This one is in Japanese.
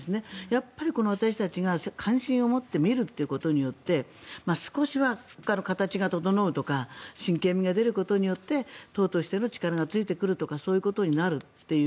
やっぱり私たちが関心を持って見ることによって少しは形が整うとか真剣みが出ることによって党としての力がついてくるとかそういうことになるという。